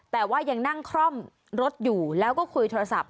แต่ว่ายังนั่งคล่อมรถอยู่แล้วก็คุยโทรศัพท์